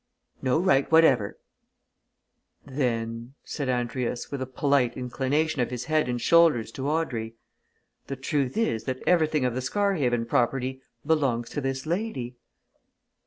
"No right whatever!" "Then," said Andrius, with a polite inclination of his head and shoulders to Audrey, "the truth is that everything of the Scarhaven property belongs to this lady?"